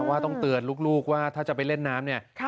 ว่าต้องเตือนลูกว่าถ้าจะไปเล่นน้ำเนี่ย